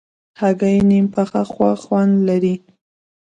هګۍ نیم پخه ښه خوند لري.